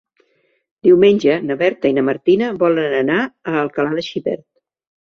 Diumenge na Berta i na Martina volen anar a Alcalà de Xivert.